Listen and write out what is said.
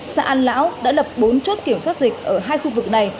xã an lão đã lập bốn chốt kiểm soát dịch ở hai khu vực này